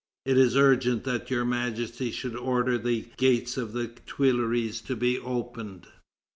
It is urgent that Your Majesty should order the gates of the Tuileries to be opened."